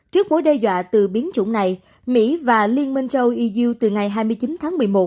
trước mối đe dọa từ biến chủng này mỹ và liên minh châu ý dư từ ngày hai mươi chín tháng một mươi một